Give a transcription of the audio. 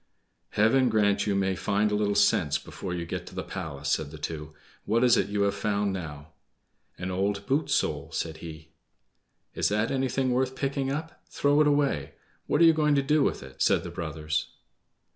"Heaven grant you may find a little sense before you get to the palace!" said the two. "What is it you have found now?" "An old boot sole," said he. "Is that anything worth picking up? Throw it away! What are you going to do with it?" said the brothers.